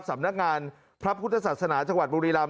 สำนักงานพระพุทธศาสนาจังหวัดบุรีรำ